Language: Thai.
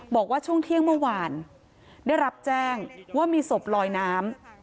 บอกว่าช่วงเที่ยงเมื่อวานได้รับแจ้งว่ามีศพลอยน้ำ